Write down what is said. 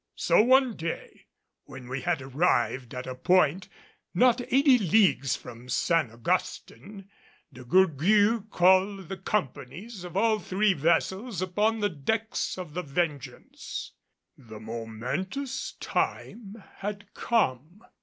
So one day when we had arrived at a point not eighty leagues from San Augustin, De Gourgues called the companies of all three vessels upon the decks of the Vengeance. The momentous time had come.